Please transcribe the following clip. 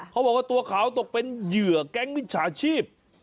เขาบอกว่าตัวเขาตกเป็นเหยื่อแก๊งมิจฉาชีพ